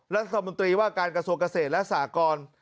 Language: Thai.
รัฐมนตรีว่าการกระทรวงเกษตรและสากร